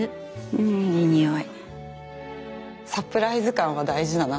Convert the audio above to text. うんいい匂い。